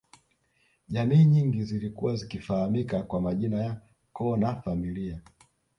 Jamii nyingi zilikuwa zikifahamika kwa majina ya Koo na familia